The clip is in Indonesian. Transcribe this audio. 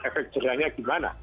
efek cerianya gimana